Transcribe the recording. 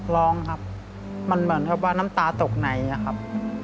ร้องครับมันเหมือนกับว่าน้ำตาตกในอะครับ